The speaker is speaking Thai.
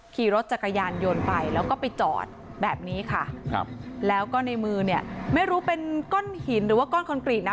ขี่รถจักรยานยนต์ไปแล้วก็ไปจอดแบบนี้ค่ะครับแล้วก็ในมือเนี่ยไม่รู้เป็นก้อนหินหรือว่าก้อนคอนกรีตนะ